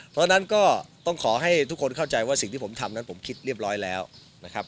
เพราะฉะนั้นก็ต้องขอให้ทุกคนเข้าใจว่าสิ่งที่ผมทำนั้นผมคิดเรียบร้อยแล้วนะครับ